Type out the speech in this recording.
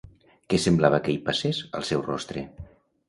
Què semblava que hi passés, al seu rostre?